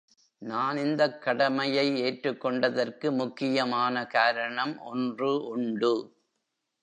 நான் இந்தக் கடமையை ஏற்றுக் கொண்டதற்கு முக்கியமான காரணம் ஒன்று உண்டு.